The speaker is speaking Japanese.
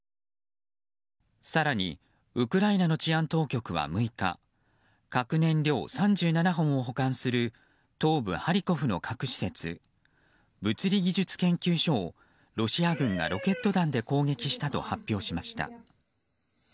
更にウクライナの治安当局は６日核燃料３７本を保管する東部ハリコフの核施設物理技術研究所をロシア軍がロケット弾で攻撃したと発表しました。